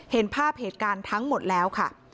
เห็นภาพเหตุการณ์ทั้งหมดแล้วค่ะ